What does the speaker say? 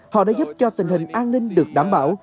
họ đã giúp cho tình hình an ninh được đảm bảo